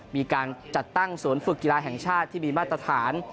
มีการจัดตั้งศูนย์ฝึกกีฬาแห่งชาติที่มีมาตรฐาน